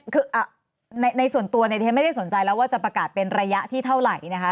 คือในส่วนตัวเนี่ยที่ฉันไม่ได้สนใจแล้วว่าจะประกาศเป็นระยะที่เท่าไหร่นะคะ